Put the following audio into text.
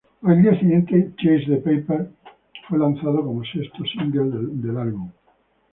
Al día siguiente, "Chase the Paper" fue lanzado como sexto single el álbum.